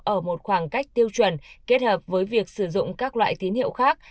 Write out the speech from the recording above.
ở một khoảng cách tiêu chuẩn kết hợp với việc sử dụng các loại tín hiệu khác